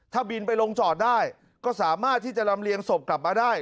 ถ้าบินไปลงจอดได้ก็สามารถที่จะลำเลียงศพกลับมาได้